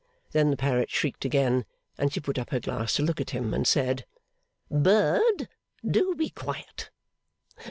Then the parrot shrieked again, and she put up her glass to look at him, and said, 'Bird! Do be quiet!